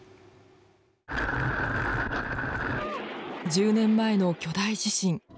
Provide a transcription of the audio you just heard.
１０年前の巨大地震。